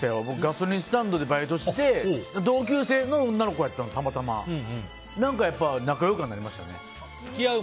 僕、ガソリンスタンドでバイトして同級生の女の子がいて、たまたま何かやっぱり仲良くはなりましたね。